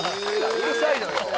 うるさいのよ。